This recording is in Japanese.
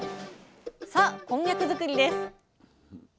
さあこんにゃく作りです！